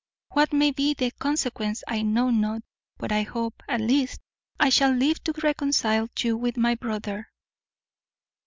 What may be the consequence I know not, but I hope, at least, I shall live to reconcile you with my brother."